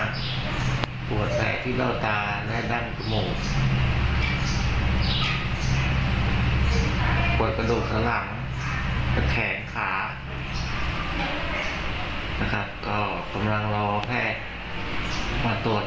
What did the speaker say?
ก็กำลังรอแพทย์มาตรวจ